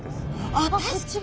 あっこっち側。